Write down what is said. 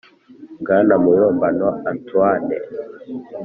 bwana muyombano antoine